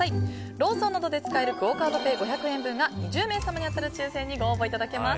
ローソンなどで使えるクオ・カードペイ５００円分が２０名様に当たる抽選にご応募いただけます。